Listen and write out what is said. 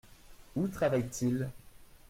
Où travaille-t-il ?